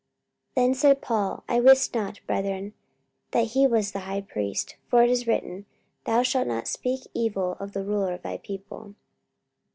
44:023:005 Then said Paul, I wist not, brethren, that he was the high priest: for it is written, Thou shalt not speak evil of the ruler of thy people.